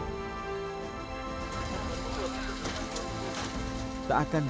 tak akan bisa dibuat dengan perang